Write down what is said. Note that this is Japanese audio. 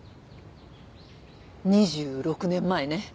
２６年前ね。